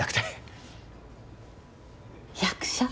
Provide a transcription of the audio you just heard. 役者？